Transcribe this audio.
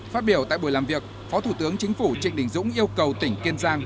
phát biểu tại buổi làm việc phó thủ tướng chính phủ trịnh đình dũng yêu cầu tỉnh kiên giang